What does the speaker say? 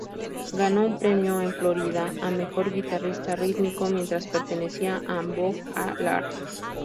Ganó un premio en Florida a "Mejor Guitarrista Rítmico" mientras pertenecía a "Amboog-A-Lard".